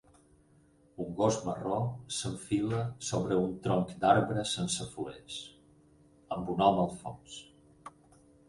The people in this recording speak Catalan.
un gos marró s'enfila sobre un tronc d'arbre sense fulles amb un home al fons